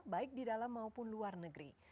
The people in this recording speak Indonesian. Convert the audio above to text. baik di dalam maupun luar negeri